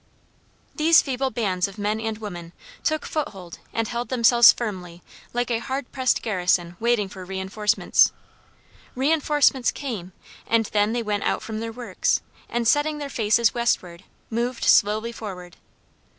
These feeble bands of men and women took foothold and held themselves firmly like a hard pressed garrison waiting for re enforcements. Re enforcements came, and then they went out from their works, and setting their faces westward moved slowly forward.